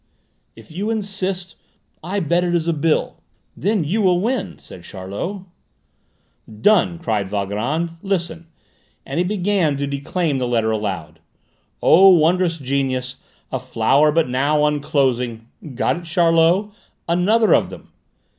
"If you insist, I bet it is a bill; then you will win," said Charlot. "Done!" cried Valgrand. "Listen," and he began to declaim the letter aloud: "'Oh, wondrous genius, a flower but now unclosing' Got it, Charlot? Another of them!"